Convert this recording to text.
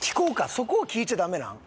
そこを聞いちゃダメなん？